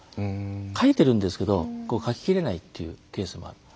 書いてるんですけど書ききれないっていうケースもある。